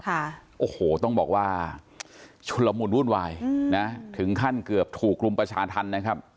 ค่ะโอ้โหต้องบอกว่าชุนละมุนวุ่นวายอืมนะถึงขั้นเกือบถูกรุมประชาธรรมนะครับ